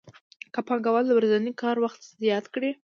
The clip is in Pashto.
که پانګوال د ورځني کار وخت زیات کړي